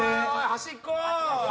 端っこ！